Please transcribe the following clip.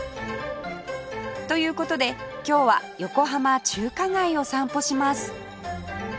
という事で今日は横浜中華街を散歩します